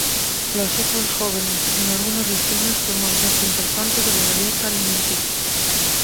Las hojas jóvenes en algunas regiones forman parte importante de la dieta alimenticia.